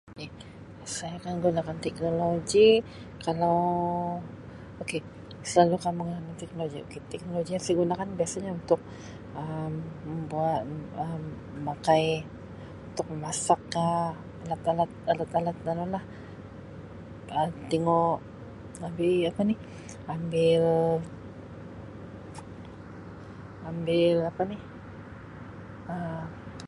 K, saya akan gunakan teknologi kalau okay selaluka menggunakan teknologi. Teknologi yang saya gunakan biasanya untuk Um membuat Um memakai untuk memasak ka alat-alat alat-alat anulah Um tingu ambi apani ambil-ambil apani Um